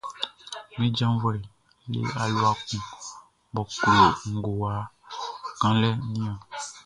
Min janvuɛʼn le alua kun mʼɔ klo ngowa kanlɛʼn niɔn.